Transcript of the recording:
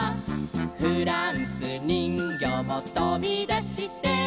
「フランスにんぎょうもとびだして」